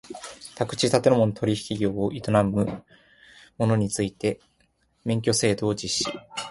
宅地建物取引業を営む者について免許制度を実施